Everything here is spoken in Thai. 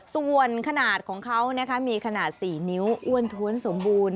ส่วนขนาดของเขามีขนาด๔นิ้วอ้วนท้วนสมบูรณ์